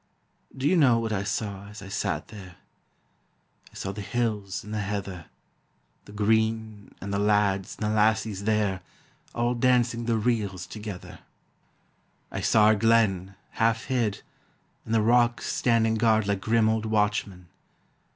Do you know what I saw as I sat there? I saw the hills and the heather, The green, and the lads and the lassies there All dancing the reels together. I saw our glen, half hid, and the rocks Standing guard like grim old watchmen.